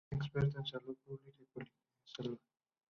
Experto en Salud Pública y Políticas de Salud.